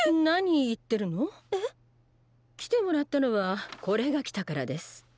何言ってるの？え？来てもらったのはこれが来たからです。